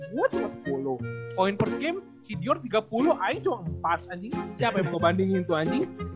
gua cuma sepuluh point per game si dior tiga puluh aik cuma empat anjing siapa yang mau bandingin itu anjing